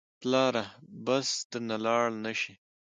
پلاره بس درنه لاړ نه شي.